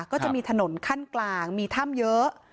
ก็จะมีถนนขั้นกลางมีถ้ำเยอะ